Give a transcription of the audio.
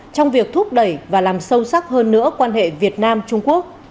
trong việc thúc đẩy và làm sâu sắc hơn nữa quan hệ việt nam trung quốc